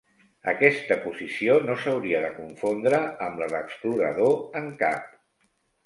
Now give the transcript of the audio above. Aquesta posició no s'hauria de confondre amb la de "Explorador en Cap".